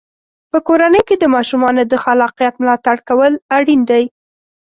په کورنۍ کې د ماشومانو د خلاقیت ملاتړ کول اړین دی.